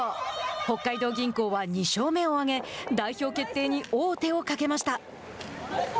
北海道銀行は２勝目を挙げ代表決定に王手をかけました。